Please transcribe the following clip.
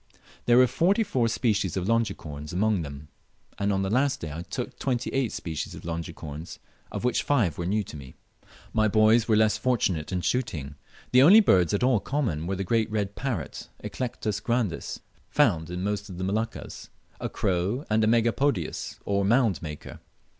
There were forty four species of Longicorns among them, and on the last day I took twenty eight species of Longicorns, of which five were new to me. My boys were less fortunate in shooting. The only birds at all common were the great red parrot (Eclectus grandis), found in most of the Moluccas, a crow, and a Megapodius, or mound maker.